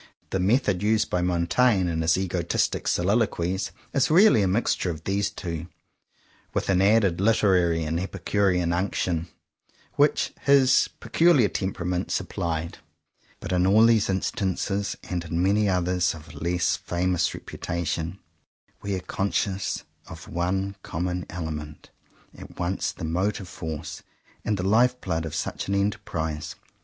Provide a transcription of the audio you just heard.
The method used by Montaigne in his egotistic soliloquies is really a mixture of these two, with an added literary and epicurean unc tion which his peculiar temperament sup plied. But in all these instances, and in many others of a less famous reputation, we are conscious of one common element, at once the motive force and the life blood of such an enterprise.